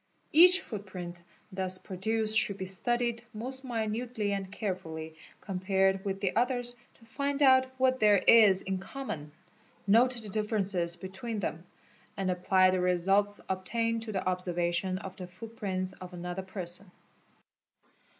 Each footprint thus produced shoul be studied most minutely and carefully compared with the others to fin out what there is in common, note the differences between them, at apply the results obtained to the observation of the footprints of anoth person.